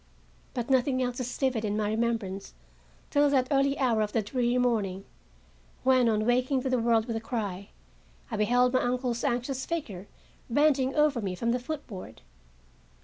But nothing else is vivid in my remembrance till that early hour of the dreary morning, when, on waking to the world with a cry, I beheld my uncle's anxious figure, bending over me from the foot board.